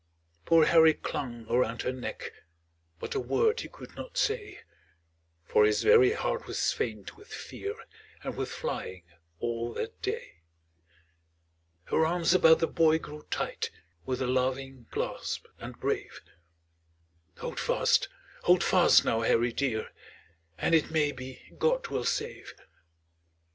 Poor Harry clung around her neck, But a word he could not say, For his very heart was faint with fear, And with flying all that day. Her arms about the boy grew tight, With a loving clasp, and brave; "Hold fast! Hold fast, now, Harry dear, And it may be God will save."